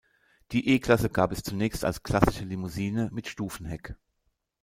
Die E-Klasse gab es zunächst als klassische Limousine mit Stufenheck.